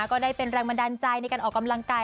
ก็ได้เป็นแรงบันดาลใจในการออกกำลังกาย